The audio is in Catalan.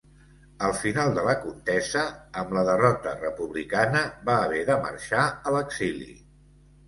Al final de la contesa, amb la derrota republicana, va haver de marxar a l'exili.